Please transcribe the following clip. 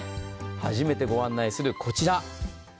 初めてご案内するこちら。